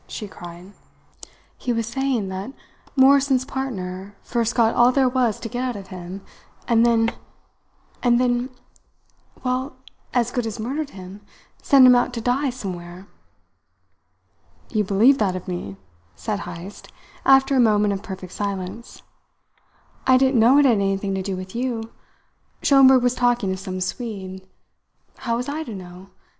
she cried. "He was saying that Morrison's partner first got all there was to get out of him, and then, and then well, as good as murdered him sent him out to die somewhere!" "You believe that of me?" said Heyst, after a moment of perfect silence. "I didn't know it had anything to do with you. Schomberg was talking of some Swede. How was I to know?